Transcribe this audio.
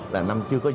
là năm chưa có dịch